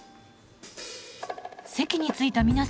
席に着いた皆さん